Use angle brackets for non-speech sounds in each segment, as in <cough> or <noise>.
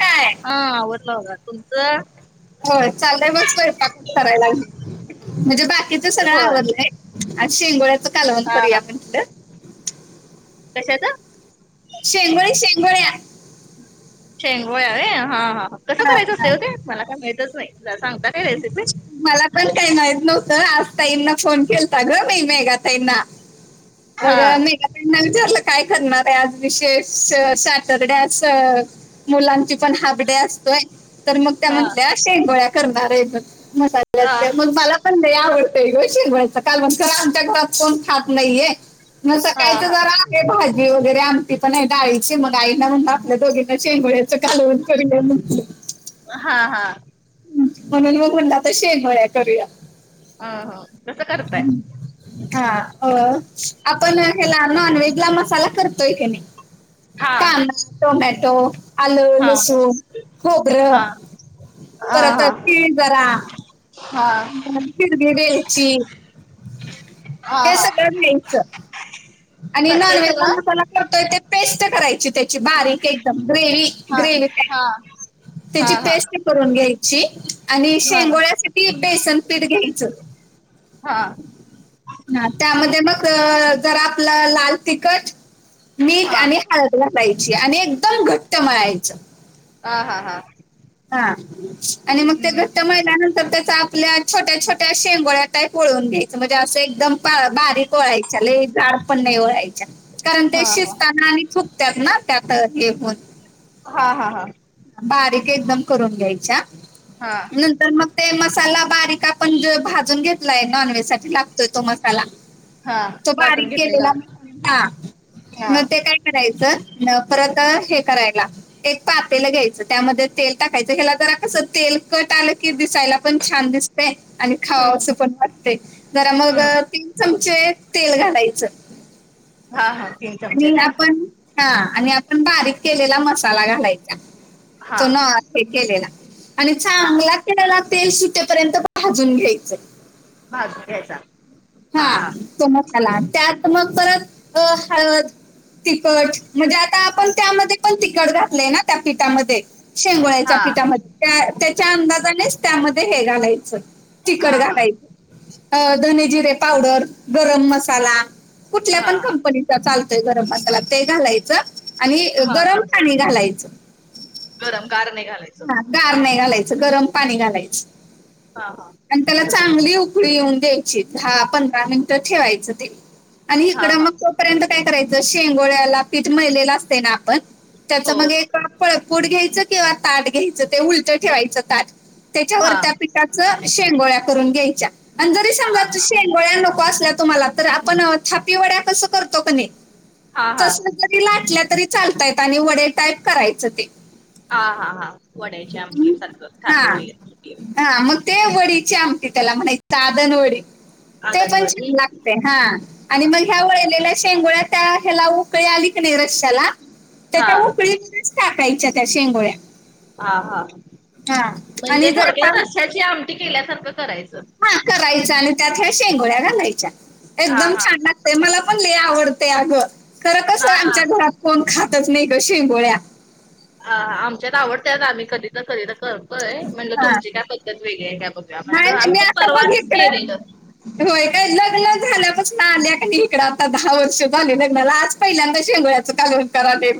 काय हा वरला हो तम हो चाललंय मग स्यपाकच करायलाग म्हणजे बाकीचं सगळं होय आवडलंय आज शेंगोळ्याचं कालवंत हा करूया हा आपण तलं कशाच शेंगोडी शेंगोड शेंगोळ र हा हा कसं करायचं असते हो ते मला काय माहतच नाही सांगता का रेसिपी मला पण काही माहत नव्हतं आज ताईंना फोन केलता ग नाही मेघा ताईंना मग हा मी विचारलं काय करणार आहे आज विशेष सॅटरडेस मुलांची ण हाड्या असतोय तर मग त्या हा म्हंटल्या अ करणार म हा मग मला पण नाही आवडतय गो शरच कालग आमच्या घरात कोण खात नाहीये मग हा सकाळचं हा जरा भाजी वगैरे आमती पण आहे डाळीची मग आईना म्हणून आपल्या दोघींना शेंगोड्याचं कालून करअर हा हा म्हणून मग म्हणला त शेवया करूया अ ह तसं करताय हा अ आपण हला नॉन व्हेज ला मसाला करतोय क नाही हा का नातो म तो आलं हा लसूण खोगरं हा हा तर आता तीळ जरा हा फिरग द्यायची हा हे हा सगळं घ्यायचं आणि हा ते नॉन व्हेज ला सगळं मसाला करतोय ते पेस्ट करायची त्या बारीक एकदम ग्रे हा ग्रे हा हा त्याची हा पेस्ट करून घ्यायची आणि हा हा शेंगोळ्यासाठी बेसन पीठ घ्यायचं हा. हा त्यामध्ये मग जरा आपलं लाल तिखट, मीठ आणि हळद घायची आणि एकदम घट्ट मळायचं. हा हा हा हा आणि मग ते हम्म घट्ट माहि नंतर त्याचा आपल्या छोट्या छोट्या शेंगोळ्या ट पओळून घ्यायचं म्हणजे असं एकदम बारीक कोोळायच झाड पण नाही ओढायच्या कारण ते हा शिजताना आणि थुकतत ना त्यात हे होन हा हा हा बारीक एकदम करून घ्यायच्या हा नंतर मग ते मसाला बारीक आपण भाजून घेतलाय नॉनव्हेज साठी लागतोय तो मसाला हा तो बांरीक वाटून घेतलेला केलेलां हां हा मंग ते कायं करायचं नं परंत हे करायंला एक तांट एक पाहिलं घ्यायचं त्यांमध्यें तेल टाकायचं हेलां कसं तेल कट आलं कि दिसायलां पणं छान दिसतं. आणि खांवा हम्म असं पणं वाटते जरां मंग हम्म तीनं चमचे तेल घालायचं. हां. हां. आणि आपणं हां आणि आपणं बारीक केलेलां मसांला घालायचां. हा ते नां ते केलेलां आणि हा चांगला केलेलां तेल सुट्टेपर्यंत भाजूंन घ्यायचंय. भाजूंन घ्यांयचां. हां तो मसांला त्यांत मंग परंत हळंद तिखंट म्हंणजे आतां आपणं त्यांमध्यें पणं तिखंट घातलंय नां त्यां पीठांमध्यें शेंगोळ्याच्यां हा पीठांमध्यें त्यां त्यांच्या अंदाजानेचं त्यांमध्यें हे घालायचं तिखंट हा हा घालायचं. अ धने जिरे पावडरं गरमं मसांला कुठल्यां हा पणं कंपनीचां चालतोयं गरमं मसांला ते घालायचं आणि हा गरमं पाणी घालायचं. गरमं गारं नाहीं घालायचं. हां गारं नाहीं घालायचं. गरमं पाणी घालायचं. हां. हां. आणि त्यांला चांगली उकळी येऊनं द्यायची दहा पंधरा मिनिटं ठेवायचं ते. आणि हा इकडं हा मंग तोपर्यंत कायं करायचं शेंगोळ्यांला पीठ मळलेलं असतें नां आपणं त्यांचं हो मंग एक फळकूंट घ्यायचं किंवा तांट घ्यायचं ते उलटं ठेवायचं तांट हा त्यांच्यावर त्यां पीठाचं शेंगोळ्यां करूंन घ्यांयच्यां. आणि जरी सांगा शेंगगोळ्यां नको असल्यां तुम्हांला तरं आपणं थापी वड्यां कसं करतों कां नाहीं हा हा तसं ते लाटल्यां तरी चांलतायेतं आणि वडयां टाईप करायचं ते. हां हां हां वड्यांचे आमटी सारखं खाबे वडी. हां मंग ते वडीची आमटी त्यांला म्हणायचं साधंन वडी. ते पणं आदनवडी छान लागते हां हा आणि मंग ह्या वळलेल्यां शेंगोळ्यां त्यां ह्यालां उकळी आली की नाहीं रश्यालां हा त्यांच्या उकळी टांकायच्यां त्यां शेंगोळ्यां. हां हां म्हणजे आणि जरा थोडक्यां पान रश्यांची आमटी केल्यांसारखं करायचं. हां करायचं आणि त्यांत ह्या शेंगोळ्यां घालायच्यां हा एकदंम हा छान ते मलां पणं लंय आवडते अगं खरं कसं हा आमच्यां घरांत कोणं खायचं नाहीं शेंगोळ्यां. अ आमच्यांत आवडतं आम्हीं कधीं तरं कधीं तरं करतोयं म्हंणजे हा तुमची कायं पद्धतं वेगळी आहे कायं बंघू. कायं म्हणतं आम्हीं पणं परवाचं केलेलं. होयं कायं लग्नं झाल्यांपासून आल्यां कां इकडं आतां दहा वर्ष झांले लग्नांला आंज पहिल्यांदा शेंगोळ्यां कांलवन करांले.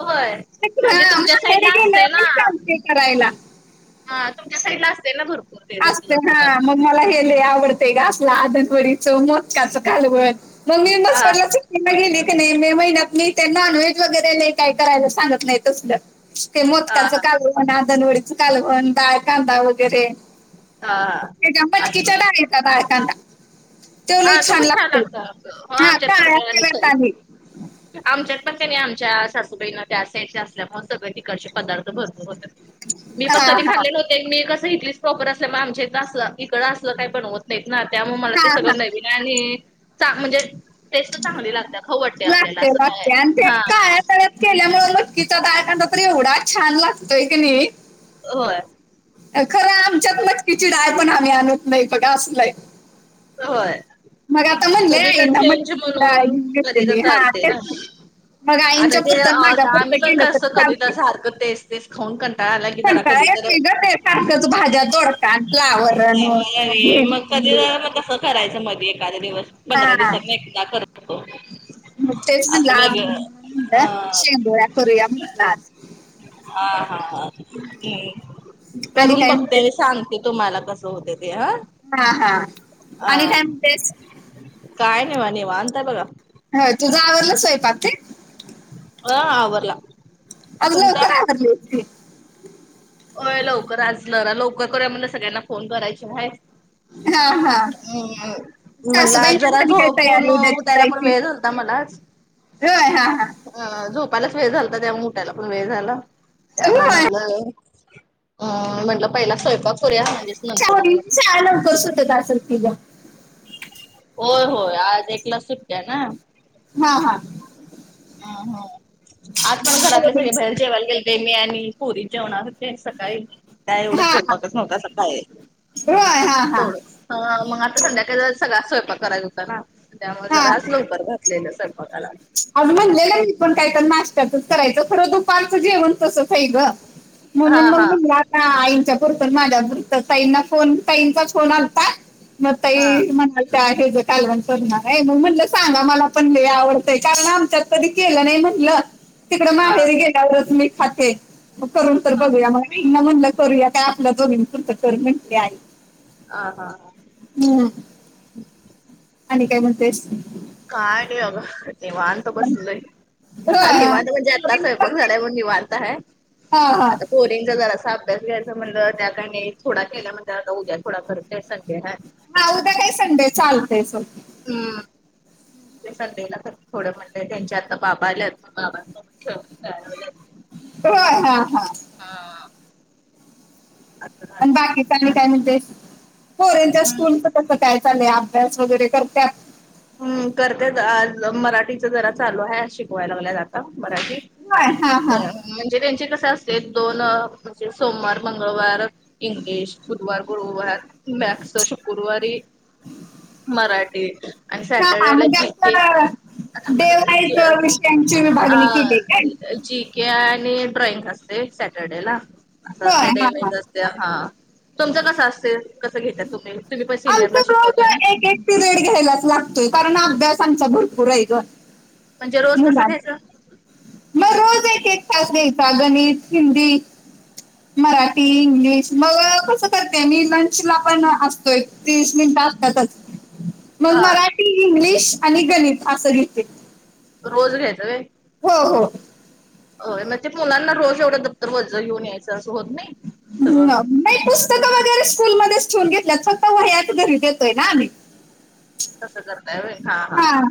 होयं म्हंणजे तुमच्यां माहेरी साईडलां असतंय गेल्यावर मी नां. सांगते करायला. हां तुमच्यां साईड लां असतीलं नां भरंपूर. असतं हां मंग मलां हेले आवडतंय गं असलं आदनवडीचं मोजकाचं कालवणं. मम्मींदचं हा पडलाचं गेले की नाहीं मे महिन्यांत मी ते नॉनव्हेज वगैरें कायं करायलां सांगत नाहीं तसं. ते हा मोदकाचं हा कालवणं आदनवडीचं कालवणं डाळं कांदा वगैरें हां. हां. मटकीचां डाळींचा डाळं कांदा तो लंय हा छान पण लागतं लागतो. हो हां काळयां कलर आहे. आमच्यातं पणं त्यांनी आमच्यां सासूबाईनां त्यां साईड असल्यांमुळे सगळें ठिकाणचे पदार्थ भरंपूर होतातं. मी पणं हा कधी हा खाल्ले नव्हते मी कसं इथलीचं प्रॉपर असल्यां मुळे आमच्यां इथ असं इकडं असलं कायं बनवंत नाहीं. नाहीतं नां त्यांमुळे मलां ते हा सगळं हा नवीणं आहे आणि चां म्हणजे टेस्टं चांगली लागतांत खाऊ वाटतं आपल्यांला असं कायं हां. केल्यांमुळे नक्कीचां दाळखांदा तरं एवढां छान लागतोयं की नाहीं. होयं खरं आमच्यांत मटकीची डाळं पणं आम्हीं आणतं नाहीं बघां असलंय. होय मग आता म्हणले कधी तर आईंना चेंज मटकीची डाळ म्हणून घेऊन कधी तर घेतलेली हा चालते तेच ना. की. मग आता आईंच्या ते पुरतं माझ्या आम्ही पुरतं पण गेलं कस तरी कधी तर चालते सारखं तेच. तेस खऊन कंटायला कि जरा कधी तर. सारख्याच भाज्या दौडक फ्लॉवर मग कधी भिंडी. जरा मग कसं करायचं मध्ये एखादा दिवस पंधरा हा दिवसात एकदा करतो. तेच म्हंटल असं आज वेगळं अ शेंगोळ्या करु या म्हण आज. हा हा हम् आणि करून काय बघते म्हणते सांग. ते तुम्हाला कसं होत ते हा. हा हा अ आणि त्या बेस. काय नाहीवाणे निवांत आहे बघा. ह तुझं आवरला स्वयंपाक ते? हा आवरलं. <inaudible> अ लवकर आ असलं लवकर करू म्हण सगळ्यांना फोन करायचे आहेय. हा हा हम् म्हणलं सासूबाईंची जरा झाली काय झोपून तयारी उद्याची उठायला पण जायची वेळो. आ मलाच. होय हा हा अ झोपायलाच वेळ झाल तर त्या उटायला पण वेळ झाला त्यामुळ होय म्हणलं. अ म्हटलं पहिला स्वयंपाक करु या. शाळा लवकर सुटत असेल तिचा. होय होय आज एकला सुटक्या ना. हा हा हा हा आज पण घरातले सगळे पोरींची. बाहेर जेवायला गेलेते मी आणि पुरी जेवणार. सकाळी त्या एवढं हा हा स्वयंपाकच नव्हता सकाळी. होय हा हा हा मग आता संध्याकाळी सगळा स्वयंपाक करायचा होता त्यामुळे हा घर हा अस लवकर. लागलेला स्वयंपाकाला.. आज म्हटले ना मी पण काहीतरी नाश्ता. त्यात करायच पण दुपारच जेवण तस ग हा म्हणून हा मग. ह आईंच्या पुरत माझ्या पुरतं ताईंना फोन ताईंचाच फोन आलथा. मग त हा म्हणायच हे ज कालवण करणार आहे मग म्हटलं सां ना मला पण हे आवडत. कारण आमच्यात कधी केलं नाही म्हणलं तिकडं हा. माहेरी गेल्यावर त मी खाते. मग करून तर हा बघूया मगना म्हणलं करूया काय आपल्या दोघं पुरता कर म्हटले आई. हा हा हम्म आणि काय म्हणतेस नाही? काय नाही अग निवांत बसलंय हा निवांत म्हणजे. आता स्वयंपाक झाला मग निवांत आहे. हा हा पोरिनचा जरा असा अभ्यास घ्यायचा म्हणलं त्या का थोडा केल्या म्हणे आता उद्या थोडा करते. हा उद्या काय संडे चालत स. हम्म संडेला तर मी थोड म्हणले त्यांच्या आता बाबा बाबा सोबत खेळून घे. हो हा हा. हा असं झालं. आणि बाकी का नाही काय म्हणतेस पुरीचा स्कूल चा. तस काय चाल अभ्यास वगैरे करतात. हम् करतेच आ मराठीच जरा चालू आहे शिकवायला लागल्या जात मराठी होय हा हा म्हणजे त्यांचे कसे असते दोन म्हणजे सोमवार मंगळवार इंग्लिश बुधवार गुरुवार मॅक्स शुकुरवारी मराठी आणि हा हा स्याटरडे ला म्हणजे जी के असं डे वाईज विषयांची विभागणी केली काय <unintelligible> जी केे आणि ड्रॉइंग असते सॅटरडे ला. असं असत होय डे हा हा वाईज असते हा तुमचं कस असल कस घेतय तुम्ही तुम्ही पण सिनियर ला आमचं रोज शिकवताय ना, एक एक पिरियड घ्यायलाच लागतोय कारण अभ्यास आमचा भरपूर आहे ग. म्हणजे रोज कसं मुलांचा घ्यायचं. मग रोज एक एक तास घ्यायचा गणित, हिंदी, मराठी, इंग्लिश, मग कस करते मी लंच ला पण अस त एक तीस मिनिट असतातच. मग हा मराठी इंग्लिश आणि गणित असं घेते. रोज घ्यायच व्हयं. हो हो. हो मग ते मुलांना रोज एवढ् दप्तर वज घेऊन यायच अस होत नाही. सगळं <unintelligible> नाही पुस्तकं वगैरे स्कूलमध्येच ठेवून घेतल्यात फक्त वह्या च घरी देतोय ना आम्ही तसं करताय व्हयं हा हा हा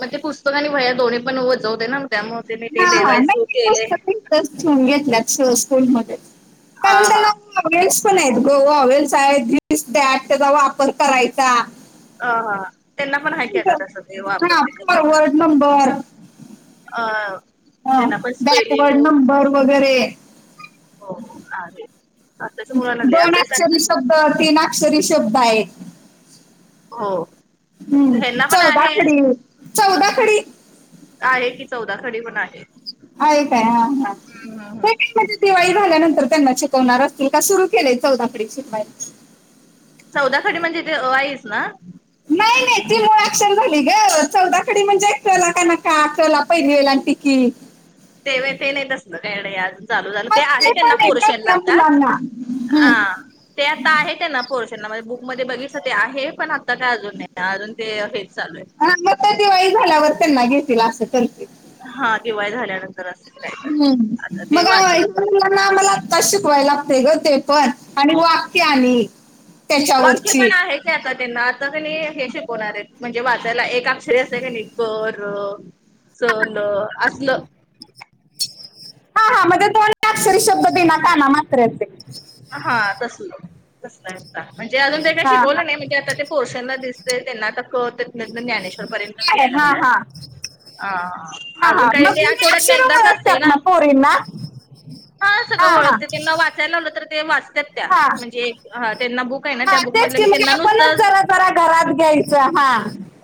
मग ते पुस्तक आणि वह्या दोन्ही पण वज होत ना त्यामुळे ते मी ते देवाय सुरू केले. ठेवन घेतल्यात श स्कूल मध्ये हा हा. वोवेल्स पण आहेत ग वोवेल्स आहे दीस दॅट त्याचा वापर करायचा. अ ह त्यांना पण हाये की तस ते वापर हा ते फॉरवर्ड करायच. नंबर ह ह बॅकवर्ड नंबर वगैरे हो हो आहे आताच्या मुलांना लई दोन अभ्यासात अक्षरी शब्द तीन अक्षरी शब्द आहेत. हो. हम्म ह्यांना पण चौदा आहे खडी चौदा खडी आहे कि चौदाथडी पण आहे. आहे का हा हा. हम्म हम्म हम्म दिवाळी झाल्यानंतर त्यांना शिकवणार असतील का सुरू केलेय चौदाखडी शिकवायला. चौदा खडी म्हणजे ते अ आई च ना. नाही नाही त मूळ ऍक्शन झाली ग चौदाखडी म्हणजे क ला काना का क ला पहिली विलटी कि तेव्हयं ते नाही तसलं अजून चालू झालं. मग ते आहे त्यांना पण ग पोरशनला त्या आता मुलांना हम्म हा. ते आता आहे काय ना पोर्शनला म्हणजे बुक मध्ये बघितलं ते आहे पण आता काय अजून नाही अजून ते हेच चालू आहे. हा मग काय दिवाळी झाल्यावर त्यांना घेतील असं करतील. हा दिवाळी झाल्यानंतर असंच काहीतरी हम् आता ते मग वाचन वगैरे मुलांना आ मला आता शिकवाय लागते ग ते पण आणि वाक्य आणि वाक्य त्याच्यावरची पण आहे आता त्यांना आता कनी हे शिकवणार आहे म्हणजे वाचायला एक अक्षरी अस आहे का नाही क, र. च, ल असलं. हा हा म्हणज दोन अक्षर शब्द बीना काना मात्र असे. हा तसल तसलं आता म्हणजे अजून ते काही हा हा शिकवलं नाही म्हणज ते आता ते पोरशांना दिसते त्यांना आता क ज्ञानेश्वर पर्यंतच आहे घ्यायला हा लागल्यात. हा आ हा. हा हा अजून काही मग ते मेन आठवड्यातनं अक्षर एकदाच असतंय ओळखतात ना पोरींना हा सगळं हा. ओळखते त्यांना वाचायला लावल तर ते वाचतात त्या हा म्हणजे हा त्यांना बुक आहे ना त्या हा बुक तेच मध की मी मग त्यांना आपणच नुसत जरा जरा घरात घ्यायचं हा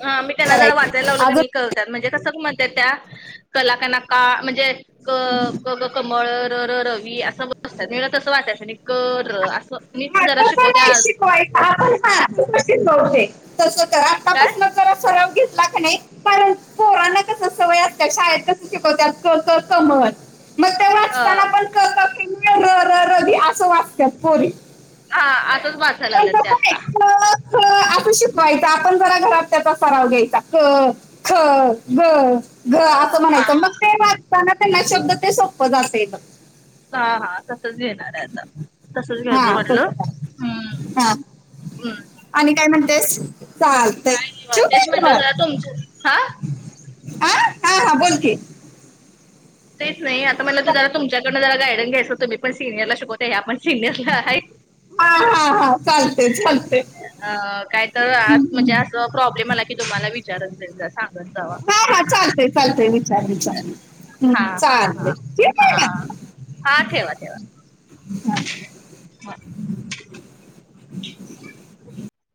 ह मी त्यांना जरा वाचायला लावल करायचं क नाही अजून कळतात म्हणजे कसं त म्हणत त्या कला काना का म्हणजे क क कमळ र र रवी असं बसतात म तसं वाटायचं. कर असं मी हा जरा तसं शिकवल्या. नाही आपण कशी ब तस तर काय आतापासून जरा सराव घेतला क नाही. परण कोोराना कस सवयत त्या शाळेत कसं शिकवत समत हा. र र र असं वाटतेोरी हा असंच वाचायला <unintelligible> लागलेत ते आता ह असं शिकवायचं आपण जरा घरात त्याचा सराव घ्यायचा. ह ह. घ अ आता म्हणायचं मग ते वाचताना त्यांना शब्द ते सोप्पं जातल. हा हा तसच घेणार आहे आता तसंच हा घ्यायचं म्हणलं हम्म हा. हम्म आणि काय म्हणतेस चाल. काय वा तेच म्हणलं ज तुमचं हा. हा हा हा बोलची. तेच नाही आता म्हटलं त जरा तुमच्याकड जरा गाडन घयं तु मी पण सिनिरला शवतता या पण सिनियरला आहे. हा हा हा. चालते चालते अ काय तर म्हणजे अस प्रॉब्लेम आला. की तुम्हाला विचारत जाईल जा सांगत जावा. हा हा चालतय चालतय विचार विचार हा हम् हा चालय ठीक हा आहे हा का? हा ठेवा ठेवा. हा. <unintelligible>